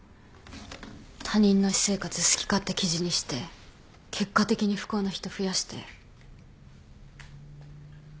他人の私生活好き勝手記事にして結果的に不幸な人増やして。